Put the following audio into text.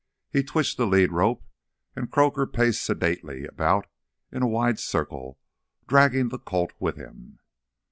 He twitched the lead rope, and Croaker paced sedately about in a wide circle, dragging the colt with him.